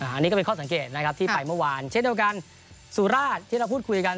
อันนี้ก็เป็นข้อสังเกตนะครับที่ไปเมื่อวานเช่นเดียวกันสุราชที่เราพูดคุยกัน